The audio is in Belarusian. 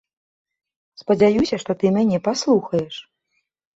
Спадзяюся, што ты мяне паслухаеш.